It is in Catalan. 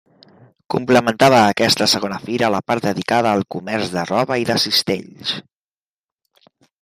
Complementava aquesta segona fira la part dedicada al comerç de roba i de cistells.